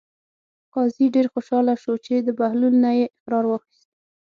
قاضي ډېر خوشحاله شو چې د بهلول نه یې اقرار واخیست.